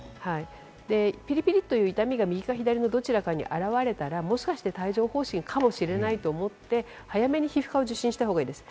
ピリピリという痛みが右か左のどちらかに現れたら、もしかして帯状疱疹かもしれないと思って早めに皮膚科を受診した方がいいです。